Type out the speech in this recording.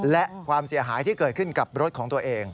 และความเสียหายที่เกิดขึ้นกับรถของตัวเอง